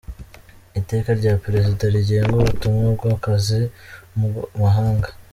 Iteka rya Perezida rigenga ubutumwa bw’akazi mu mahanga;.